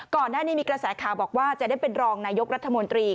ก่อนหน้านี้มีกระแสข่าวบอกว่าจะได้เป็นรองนายกรัฐมนตรี